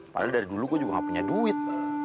padahal dari dulu gue juga gak punya duit